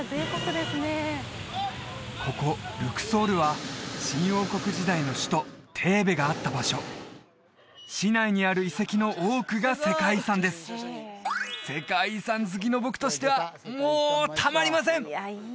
ここルクソールは新王国時代の首都テーベがあった場所市内にある遺跡の多くが世界遺産です世界遺産好きの僕としてはもうたまりません！